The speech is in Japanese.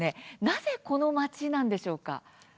なぜこの町なんでしょうか？